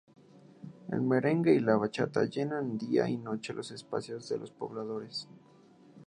El merengue y la bachata llenan día y noche los espacios de los pobladores.